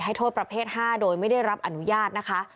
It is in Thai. โทษประเภท๕โดยไม่ได้รับอนุญาตนะคะ